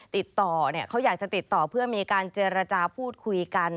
ติดต่อเนี่ยเขาอยากจะติดต่อเพื่อมีการเจรจาพูดคุยกัน